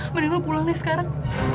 mending lu pulang deh sekarang